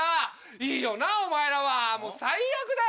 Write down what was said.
いいよなお前らはもう最悪だよ